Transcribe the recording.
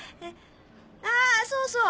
あっそうそう